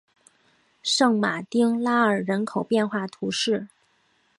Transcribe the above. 圣马丁拉尔人口变化图示